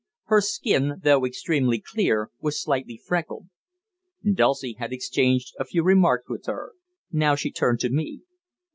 Her skin, though extremely clear, was slightly freckled. Dulcie had exchanged a few remarks with her. Now she turned to me.